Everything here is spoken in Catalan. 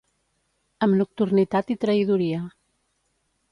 Amb nocturnitat i traïdoria.